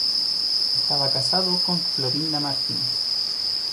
Estaba casado con Florinda Martínez.